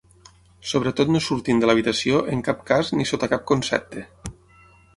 Sobretot no surtin de l'habitació en cap cas ni sota cap concepte.